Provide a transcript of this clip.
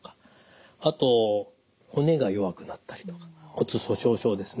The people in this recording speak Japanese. あと骨が弱くなったりとか骨粗しょう症ですね。